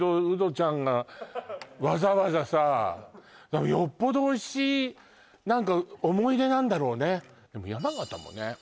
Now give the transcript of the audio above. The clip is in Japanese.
ウドちゃんがわざわざさよっぽどおいしい何か思い出なんだろうね山形もね